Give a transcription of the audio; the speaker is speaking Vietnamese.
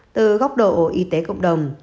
từ góc độ y tế cộng đồng